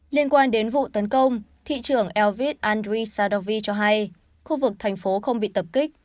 liên quan đến vụ tấn công thị trưởng elvit andriy sadovich cho hay khu vực thành phố không bị tập kích